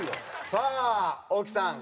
さあ大木さん。